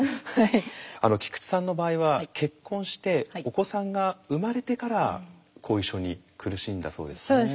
菊池さんの場合は結婚してお子さんが生まれてから後遺症に苦しんだそうですね。